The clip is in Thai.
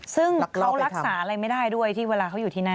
ซึ่งเขารักษาอะไรไม่ได้ด้วยที่เวลาเขาอยู่ที่นั่น